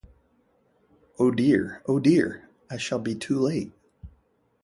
Oh dear! Oh dear! I shall be too late!